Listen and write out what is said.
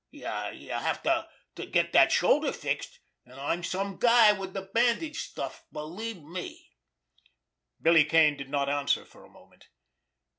You have got to get dat shoulder fixed, an' I'm some guy wid de bandage stuff— believe me!" Billy Kane did not answer for a moment.